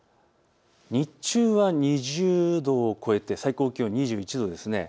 日中は２０度を超えて最高気温２１度です。